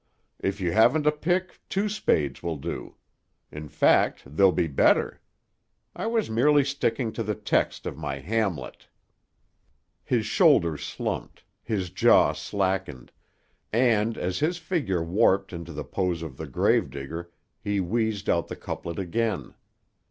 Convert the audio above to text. If you haven't a pick, two spades will do. In fact, they'll be better. I was merely sticking to the text of my Hamlet." His shoulders slumped, his jaw slackened, and, as his figure warped into the pose of the gravedigger he wheezed out the couplet again.